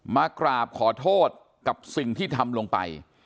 มากราบขอโทษกับสิ่งที่ทำลงไป